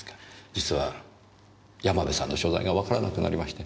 実は山部さんの所在がわからなくなりまして。